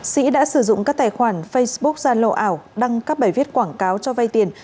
sĩ đã sử dụng các tài khoản facebook ra lô ảo đăng các bài viết quảng cáo cho vay tiền